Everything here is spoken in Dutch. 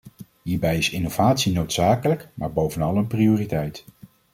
Hierbij is innovatie noodzakelijk, maar bovenal een prioriteit.